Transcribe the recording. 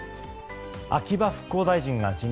秋葉復興大臣が辞任。